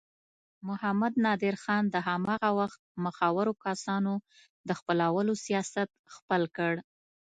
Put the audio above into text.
محمد نادر خان د هماغه وخت مخورو کسانو د خپلولو سیاست خپل کړ.